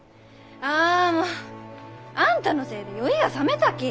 あもうあんたのせいで酔いがさめたき！